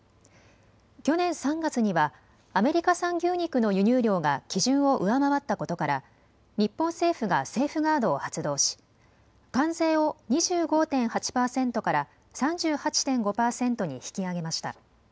去年３月にはアメリカ産牛肉の輸入量が基準を上回ったことから日本政府がセーフガードを発動し関税を２５．８％から３８．５％に引き上げました。